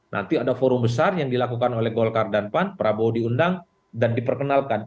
nanti ada forum besar yang dilakukan oleh golkar dan pan prabowo diundang dan diperkenalkan